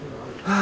あ。